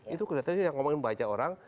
itu kelihatannya yang ngomongin baca orang